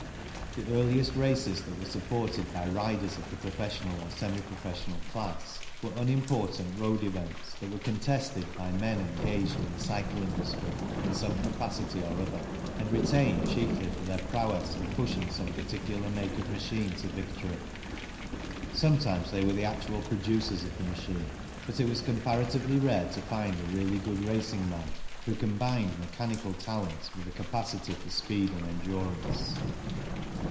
The earliest races that were supported by riders of the professional or semi professional class were un important road events that were contested by men engaged in the cycle industry in some capacity or other, and retained chiefly for their prowess in pushing some particular make of machine to victory. Sometimes they were the actual producers of the machine, but it was comparatively rare to find a really good racing man who combined mechanical talent with a capacity for speed and endurance.